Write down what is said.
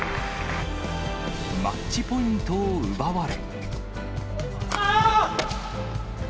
マッチポイントを奪われ。